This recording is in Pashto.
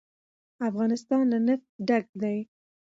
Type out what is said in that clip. افغانستان له نفت ډک دی.